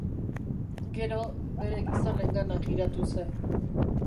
Gero, bere gizonengana jiratu zen.